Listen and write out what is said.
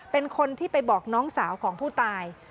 เป็นคนที่ไปบอกน้องสาวของผู้ตาย